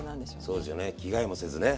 そうでしょうね着替えもせずね。